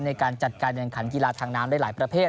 ในการจัดการแข่งขันกีฬาทางน้ำได้หลายประเภท